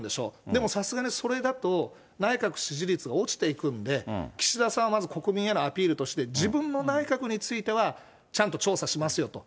でもさすがにそれだと内閣支持率が落ちていくんで、岸田さんはまず、国民へのアピールとして、自分の内閣については、ちゃんと調査しますよと。